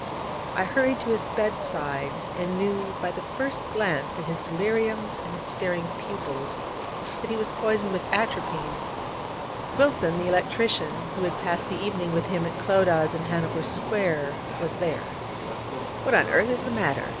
I hurried to his bed side, and knew by the first glance at his deliriums and his staring pupils that he was poisoned with atropine. Wilson, the electrician, who had passed the evening with him at Clodagh's in Hanover Square, was there. 'What on earth is the matter?'